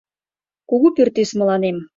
Кугу пӱртӱс мыланем